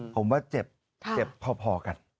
ผมว่าเจ็บพอกัน